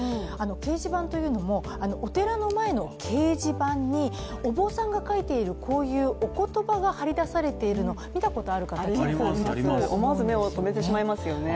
掲示板というのも、お寺の前の掲示板にお坊さんが書いているこういうお言葉が貼り出されているの、見たことある方、結構いますね。